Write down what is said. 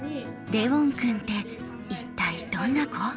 レウォン君って一体どんな子？